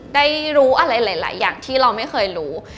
ได้รู้อะไรหลายอย่างที่เราไม่เคยรู้